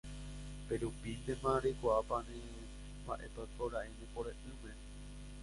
pérupintema reikuaapáne mba'épa oikóra'e ne pore'ỹme